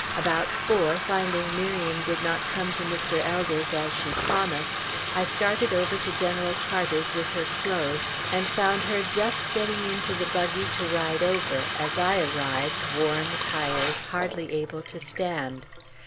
About four, finding Miriam did not come to Mr. Elder's as she promised, I started over to General Carter's with her clothes, and found her just getting into the buggy to ride over, as I arrived warm, tired, hardly able to stand.